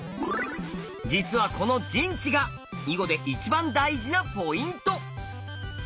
実はこの陣地が囲碁で一番大事なポイント。